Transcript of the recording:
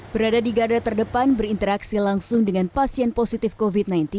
berada di gada terdepan berinteraksi langsung dengan pasien positif covid sembilan belas